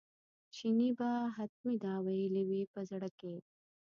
چیني به حتمي دا ویلي وي په زړه کې.